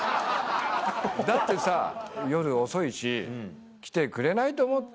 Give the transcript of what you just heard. だってさ夜遅いし来てくれないと思って。